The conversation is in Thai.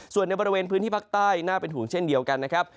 ส่วนในบริเวณพื้นที่ภาคใต้น่าเป็นห่วงเช่นเดียวกันนะครับ